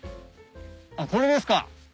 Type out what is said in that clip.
あっこれですか？